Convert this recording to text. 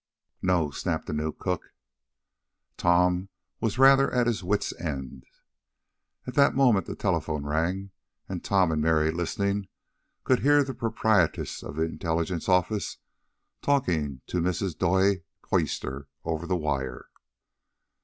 "No!" snapped the new cook. Tom was rather at his wits' ends. At that moment the telephone rang, and Tom and Mary, listening, could hear the proprietress of the intelligence office talking to Mrs. Duy Puyster over the wire.